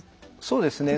そうですね。